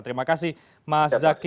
terima kasih mas zaky